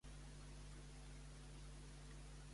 En Lluís pregunta si en Llambregues els farà fora?